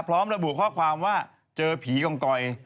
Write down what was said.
พร้อมระบุข้อความว่าเจอผีกองกอย